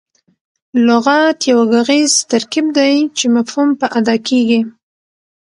لغت یو ږغیز ترکیب دئ، چي مفهوم په اداء کیږي.